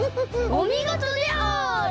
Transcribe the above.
おみごとである。